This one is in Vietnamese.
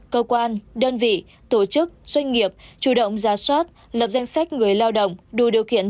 cơ quan đơn vị tổ chức doanh nghiệp chủ động ra soát lập danh sách người lao động đủ điều kiện